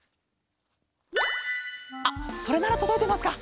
あっそれならとどいてますか？